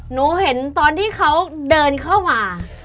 หนูเห็นตอนที่เขาเดินเข้ามา